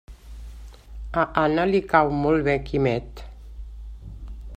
A Anna li cau molt bé Quimet.